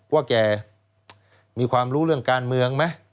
ว่าแกมีความรู้เรื่องการเมืองไหม